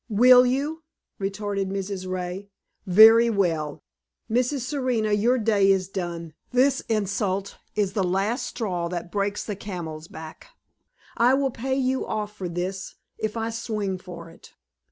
"Will you?" retorted Mrs. Ray. "Very well. Mrs. Serena, your day is done. This insult is the last straw that breaks the camel's back. I will pay you off for this, if I swing for it!"